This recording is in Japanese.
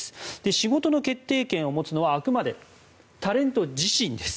仕事の決定権を持つのはあくまでタレント自身です。